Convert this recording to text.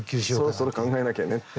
そろそろ考えなきゃねって。